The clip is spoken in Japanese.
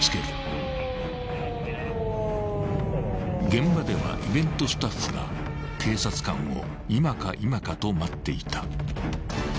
［現場ではイベントスタッフが警察官を今か今かと待っていた］